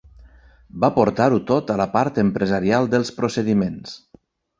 Va portar-ho tot a la part empresarial dels procediments.